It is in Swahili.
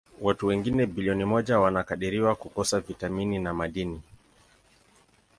Watu wengine bilioni moja wanakadiriwa kukosa vitamini na madini.